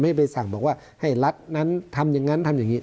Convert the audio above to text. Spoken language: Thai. ไปสั่งบอกว่าให้รัฐนั้นทำอย่างนั้นทำอย่างนี้